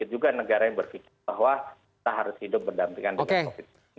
juga negara yang berpikir bahwa kita harus hidup berdampingan dengan covid sembilan belas